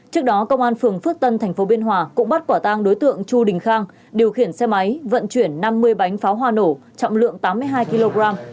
trước đó công an phường phước tân tp biên hòa cũng bắt quả tang đối tượng chu đình khang điều khiển xe máy vận chuyển năm mươi bánh pháo hoa nổ trọng lượng tám mươi hai kg